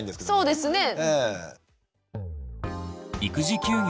そうですね。